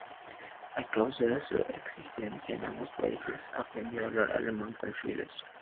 A causa de su estancia en ambos países aprendió a hablar alemán con fluidez.